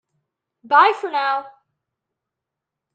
Bye for now!